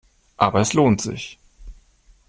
Aber es lohnt sich.